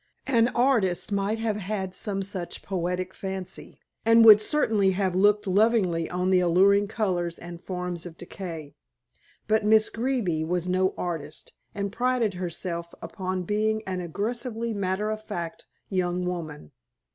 An artist might have had some such poetic fancy, and would certainly have looked lovingly on the alluring colors and forms of decay. But Miss Greeby was no artist, and prided herself upon being an aggressively matter of fact young woman.